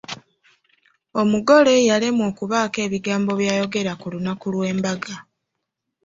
Omugole yalemwa okubaako ebigambo by'ayogera ku lunaku lw'embaga.